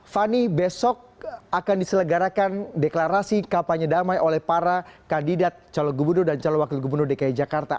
fani besok akan diselenggarakan deklarasi kampanye damai oleh para kandidat calon gubernur dan calon wakil gubernur dki jakarta